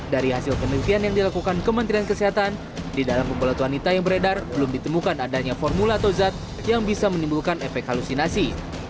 dari hasil penelitian yang dilakukan kementerian kesehatan di dalam pembalut wanita yang beredar belum ditemukan adanya formula atau zat yang bisa menimbulkan efek halusinasi